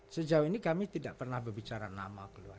sejauh ini kami tidak pernah berbicara nama keluarga